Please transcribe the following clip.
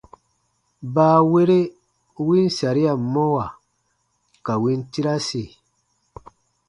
Baawere u win saria mɔwa ka win tirasi.